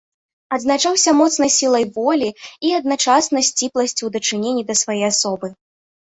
Адзначаўся моцнай сілай волі і адначасна сціпласцю у дачыненні да свае асобы.